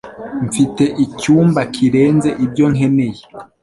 Mfite icyumba kirenze ibyo nkeneye